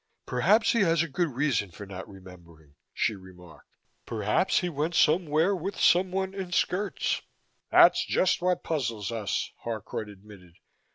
"Perhaps he has a good reason for not remembering," she remarked. "Perhaps he went somewhere, with some one in skirts!" "That's just what puzzles us," Harcourt admitted.